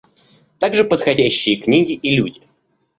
Также подходящие книги и люди.